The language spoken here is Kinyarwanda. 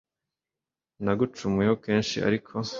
nagucumuyeho kenshi ariko